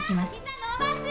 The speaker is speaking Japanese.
膝伸ばす！